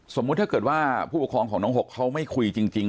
สมมุติถ้าเกิดว่าผู้ปกครองของน้องหกเขาไม่คุยจริง